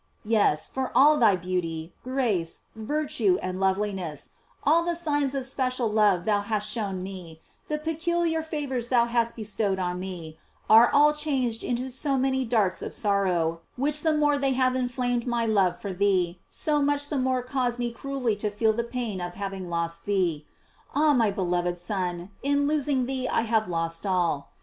"* Yes, for all thy beauty, grace, virtue, and loveliness, all the signs of special love thou hast shown me, the peculiar favors thou hast bestowed on me, are all changed into so many darts of sorrow, which the more they have in flamed my love for thee, so much the more cause me cruelly to feel the pain of having lost thee. Ah, my beloved Son, in losing thee I have lost all.